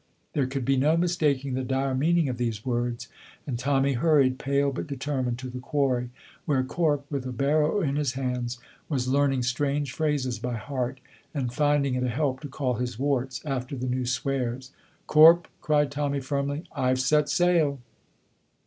There could be no mistaking the dire meaning of these words, and Tommy hurried, pale but determined, to the quarry, where Corp, with a barrow in his hands, was learning strange phrases by heart, and finding it a help to call his warts after the new swears. "Corp," cried Tommy, firmly, "I've set sail!"